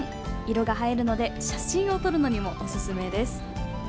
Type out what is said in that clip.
色が映えるので写真を撮るのにもおすすめです。